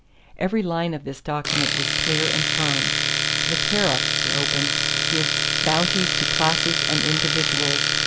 Every line of this document was clear and firm. The tariff, it opened, gives "bounties to classes and individuals